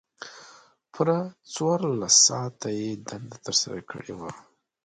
پوره څوارلس ساعته یې دنده ترسره کړې وه.